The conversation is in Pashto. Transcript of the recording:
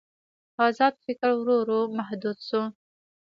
ازاد فکر ورو ورو محدود شو.